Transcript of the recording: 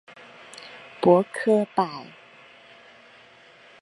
傅科摆